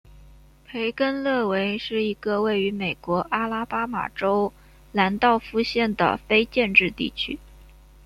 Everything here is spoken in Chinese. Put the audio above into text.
培根勒韦是一个位于美国阿拉巴马州兰道夫县的非建制地区。